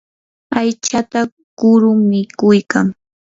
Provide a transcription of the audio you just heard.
aychata kuru mikuykan.